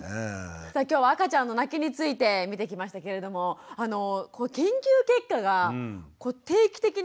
さあ今日は赤ちゃんの泣きについて見てきましたけれども研究結果が定期的に発表される。